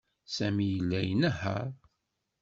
Sami yella inehheṛ.